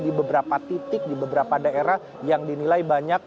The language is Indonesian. di beberapa titik di beberapa daerah yang dinilai banyak